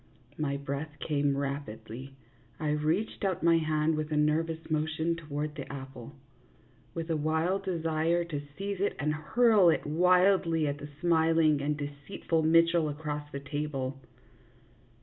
My breath came rapidly ; I reached out my hand with a nervous motion toward the apple, with a wild desire to seize it and hurl it wildly at the smiling and deceitful Mitchell across the table.